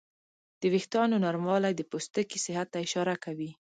د وېښتیانو نرموالی د پوستکي صحت ته اشاره کوي.